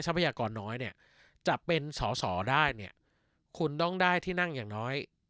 พยากรน้อยเนี่ยจะเป็นสอสอได้เนี่ยคุณต้องได้ที่นั่งอย่างน้อย